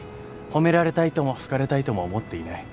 褒められたいとも好かれたいとも思っていない。